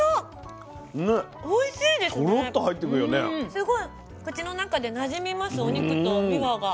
すごい口の中でなじみますお肉とびわが。